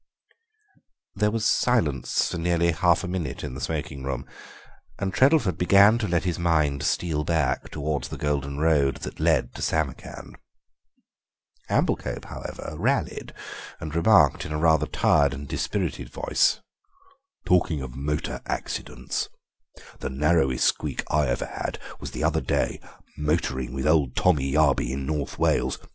There was silence for nearly half a minute in the smoking room, and Treddleford began to let his mind steal back towards the golden road that led to Samarkand. Amblecope, however, rallied, and remarked in a rather tired and dispirited voice: "Talking of motor accidents, the narrowest squeak I ever had was the other day, motoring with old Tommy Yarby in North Wales.